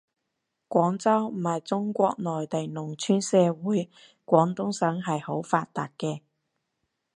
廣州唔係中國內地農村社會，廣東省係好發達嘅